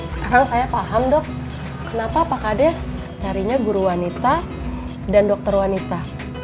sekarang saya paham dok kenapa pak kades carinya guru wanita dan dokter wanita